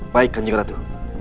baik kanjeng ratu